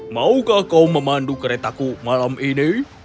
maukah kau memandu keretaku malam ini